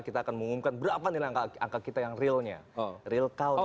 kita akan mengumumkan berapa nih angka kita yang realnya real countnya